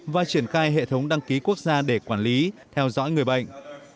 và triển khai hệ thống đăng ký quốc gia để quản lý theo dõi người bệnh